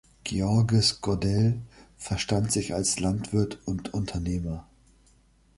Georges Godel verstand sich als Landwirt und Unternehmer.